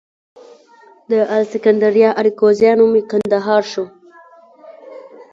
د الکسندریه اراکوزیا نوم کندهار شو